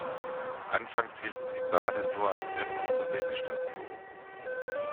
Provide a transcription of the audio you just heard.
Anfangs hielten die Bahnen nur an elf Unterwegsstationen.